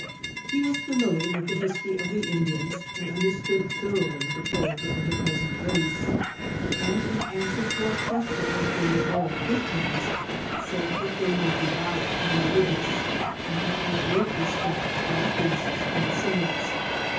He was familiar with the history of the Indians, and understood thoroughly the character of the present race ; and, in answer to our question if they were all Christians, said that they were devout and re ligious, and had a great respect for the priests and saints.